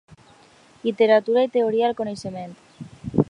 Literatura i teoria del coneixement.